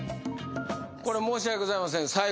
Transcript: これ申し訳ございません最後